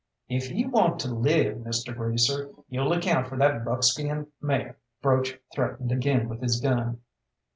"If you want to live, Mr. Greaser, you'll account for that buckskin mare," Broach threatened again with his gun.